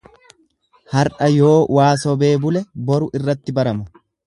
Har'a yoo waa sobee bule boru irratti barama.